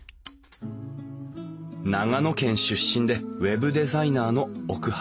長野県出身でウェブデザイナーの奥原千純さん。